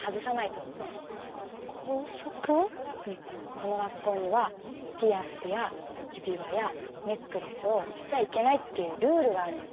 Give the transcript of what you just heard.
この学校にはピアスや指輪やネックレスをしちゃいけないっていうルールがあるの。